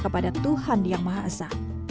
kepada tuhan yang maha esa